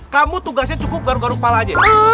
kamu tugasnya cukup garuk garuk kepala aja